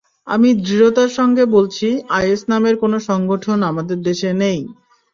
আমি দৃঢ়তার সঙ্গে বলছি, আইএস নামের কোনো সংগঠন আমাদের দেশে নেই।